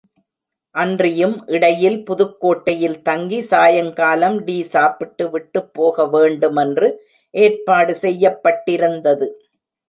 அன்றியும் இடையில் புதுக்கோட்டையில் தங்கி, சாயங்காலம் டீ சாப்பிட்டுவிட்டுப் போக வேண்டுமென்று ஏற்பாடு செய்யப்பட்டிருந்தது.